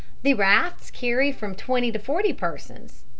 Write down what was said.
The rafts carry from twenty to forty persons.